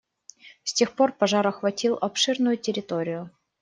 С тех пор пожар охватил обширную территорию.